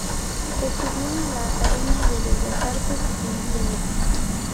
Estudió en la Academia de Bellas Artes en Viena.